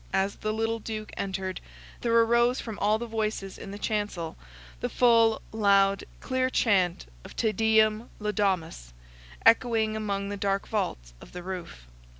As the little Duke entered, there arose from all the voices in the Chancel the full, loud, clear chant of Te Deum Laudamus, echoing among the dark vaults of the roof.